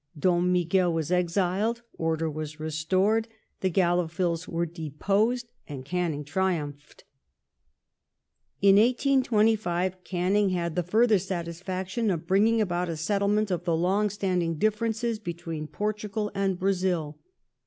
Dom Miguel was exiled, order was restored, the Gallophils were deposed, and Canning triumphed| In 1825 Canning had the further satisfaction of bringing about a settlement of the long standing difficulties between Portugal and Brazil.